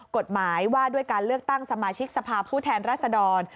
กฎหมายว่าด้วยการเลือกตั้งสมาชิกสภาพผู้แทนรัศดร